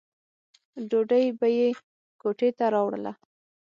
ډوډۍ به یې کوټې ته راوړله.